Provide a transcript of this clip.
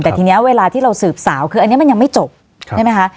แต่ทีนี้เวลาที่เราสืบสาวคืออันนี้มันยังไม่จบใช่ไหมคะ